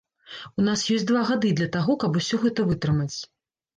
У нас ёсць два гады для таго, каб усё гэта вытрымаць.